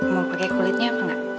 mau pakai kulitnya apa enggak